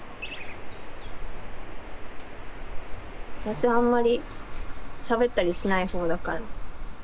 私あんまりしゃべったりしない方だから。